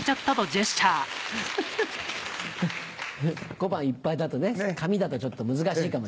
小判いっぱいだとね紙だとちょっと難しいかも。